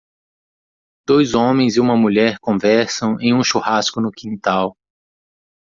Dois homens e uma mulher conversam em um churrasco no quintal.